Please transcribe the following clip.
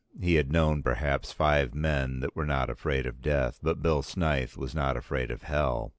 He had known perhaps five men that were not afraid of death, but Bill Snyth was not afraid of Hell.